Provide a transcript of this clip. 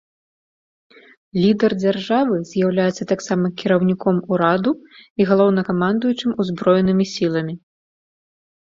Лідар дзяржавы з'яўляецца таксама кіраўніком ураду і галоўнакамандуючым узброенымі сіламі.